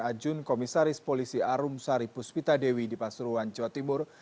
ajun komisaris polisi arum saripus pitadewi di pasuruan jawa timur